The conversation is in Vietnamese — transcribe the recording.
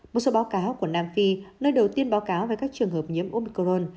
một số báo cáo của nam phi nơi đầu tiên báo cáo về các trường hợp nhiễm omcron